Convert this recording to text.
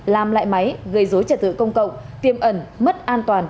làm lại máy gây dối trật tự công cộng tiêm ẩn mất an toàn